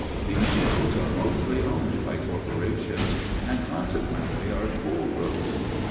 These roads are mostly owned by corporations and, consequently, are toll roads.